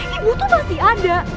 ibu tuh masih ada